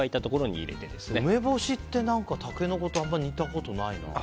梅干しってタケノコと煮たことないな。